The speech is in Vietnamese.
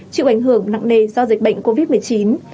chịu ảnh hưởng nặng nề do dịch bệnh covid một mươi chín